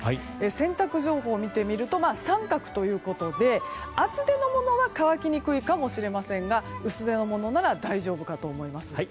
洗濯情報を見てみると三角ということで厚手のものは乾きにくいかもしれませんが薄手のものなら大丈夫かと思います。